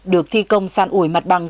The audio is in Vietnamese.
được thi công sàn ủi mặt bằng